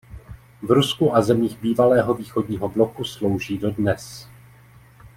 V Rusku a zemích bývalého Východního bloku slouží dodnes.